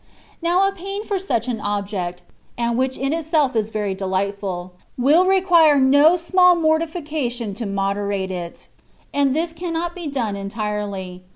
Now a pain for such an object, and which in itself is very delightful, will require no small mortifica tion to moderate it ; and this cannot be done en tirely.